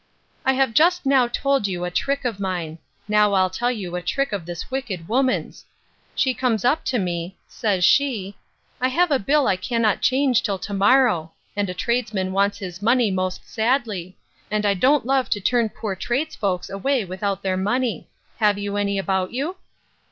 I have just now told you a trick of mine; now I'll tell you a trick of this wicked woman's. She comes up to me: Says she, I have a bill I cannot change till to morrow; and a tradesman wants his money most sadly: and I don't love to turn poor trades folks away without their money: Have you any about you?